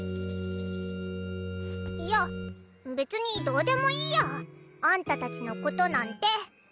いや別にどうでもいいやあんたたちのことなんて。